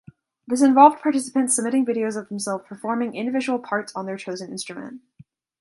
This involved participants submitting videos of themselves performing individual parts on their chosen instrument.